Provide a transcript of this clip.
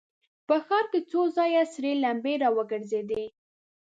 په ښار کې څو ځايه سرې لمبې را وګرځېدې.